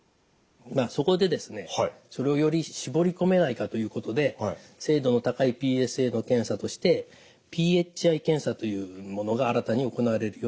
そこでですねそれをより絞り込めないかということで精度の高いＰＳＡの検査としてｐｈｉ検査というものが新たに行われるようになりました。